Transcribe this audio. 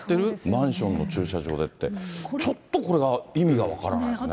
マンションの駐車場でって、ちょっとこれが意味が分からないですね。